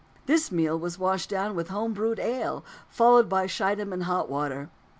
This meal was washed down with home brewed ale, followed by Schiedam and hot water.